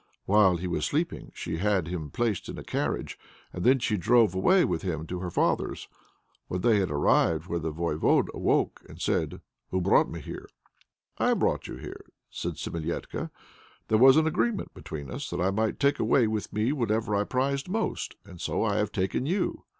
While he was sleeping she had him placed in a carriage, and then she drove away with him to her father's. When they had arrived there the Voyvode awoke and said "'Who brought me here?' "'I brought you,' said Semilétka; 'there was an agreement between us that I might take away with me whatever I prized most. And so I have taken you!'